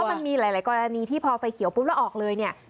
มันมีหลายกรณีที่พอไฟเขียวปุ๊บแล้วออกเลยเนี่ย